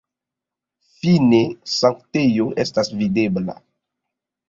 Fine sanktejo estas videbla.